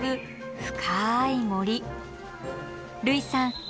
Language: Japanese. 類さん！